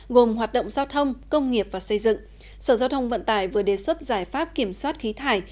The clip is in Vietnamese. gồm hoạt động giao thông công nghiệp và xây dựng sở giao thông vận tải vừa đề xuất giải pháp kiểm soát khí thải